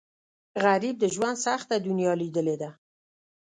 غریب د ژوند سخته دنیا لیدلې ده